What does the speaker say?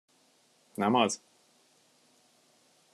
Nem az?